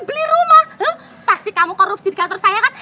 beli rumah pasti kamu korupsi di kantor saya kan